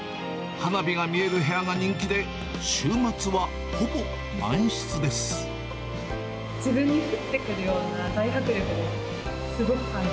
花火が見える部屋が人気で、自分に降ってくるような大迫